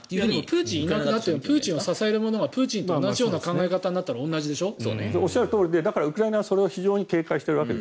プーチンがいなくなってもプーチンを支える者がプーチンと同じような考え方になったらおっしゃるとおりでウクライナ側はそれを非常に警戒している。